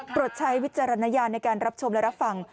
ใช้วิจารณญาณในการรับชมและรับฟัง